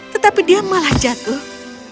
tetapi dia malah jatuh